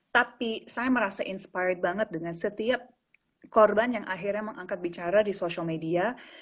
tapi saya merasa ber inspirasi dengan setiap korban yang akhirnya mengangkat bicara di media sosial